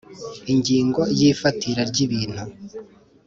Ingingo ya Igihe ifatira ry ibintu